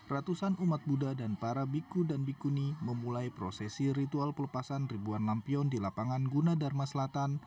ratusan umat buddha dan para biku dan bikuni memulai prosesi ritual pelepasan ribuan lampion di lapangan gunadharma selatan